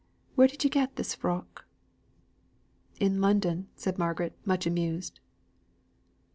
Where did ye get this frock?" "In London," said Margaret, much amused.